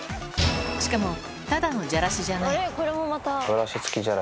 しかも、ただのじゃらしじゃない。